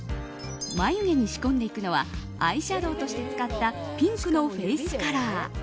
眉毛に仕込んでいくのはアイシャドーとして使ったピンクのフェイスカラー。